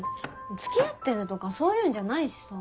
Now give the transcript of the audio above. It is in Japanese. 付き合ってるとかそういうんじゃないしさ。